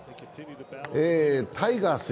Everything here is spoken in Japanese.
タイガース